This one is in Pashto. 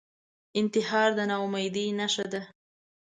انتحار د ناامیدۍ نښه ده